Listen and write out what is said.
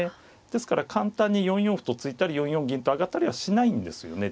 ですから簡単に４四歩と突いたり４四銀と上がったりはしないんですよね